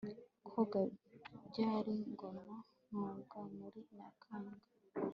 Koga ryari Noga muri Nyakanga